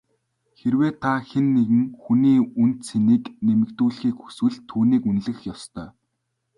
Хэрвээ та хэн нэгэн хүний үнэ цэнийг нэмэгдүүлэхийг хүсвэл түүнийг үнэлэх ёстой.